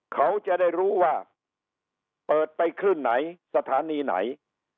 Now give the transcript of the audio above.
เขาจะได้รู้ว่าเปิดไปขึ้นไหนสถานีไหน